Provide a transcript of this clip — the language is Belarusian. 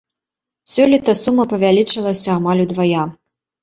Сёлета сума павялічылася амаль удвая.